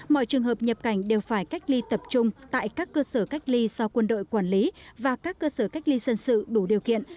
mọi trường hợp nhập cảnh đều phải cách ly tập trung tại các cơ sở cách ly do quân đội quản lý và các cơ sở cách ly dân sự đủ điều kiện